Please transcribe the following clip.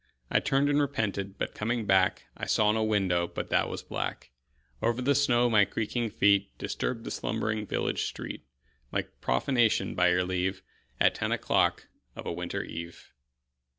I turned and repented, but coming back I saw no window but that was black. Over the snow my creaking feet Disturbed the slumbering village street Like profanation, by your leave, At ten o'clock of a winter eve.